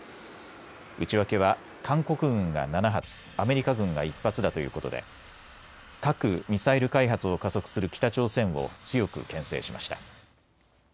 内訳は韓国軍が７発、アメリカ軍が１発だということで核・ミサイル開発を加速する北朝鮮を強くけん制しました。